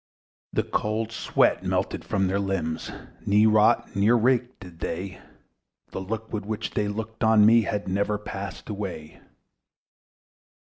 The cold sweat melted from their limbs, Nor rot nor reek did they: The look with which they looked on me Had never passed away.